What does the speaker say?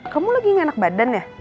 kamu lagi gak enak badan ya